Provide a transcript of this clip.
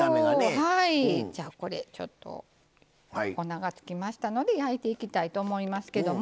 これちょっと粉がつきましたので焼いていきたいと思いますけども。